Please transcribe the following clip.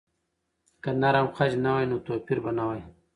که خج نرم نه وای، نو توپیر به نه وای.